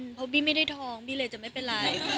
เพราะบี้ไม่ได้ทองบี้เลยจะไม่เป็นไร